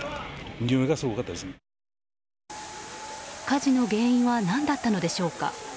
火事の原因は何だったのでしょうか？